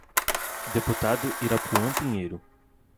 Deputado Irapuan Pinheiro